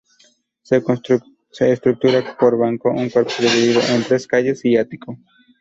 Se estructura por banco, un cuerpo dividido en tres calles y ático.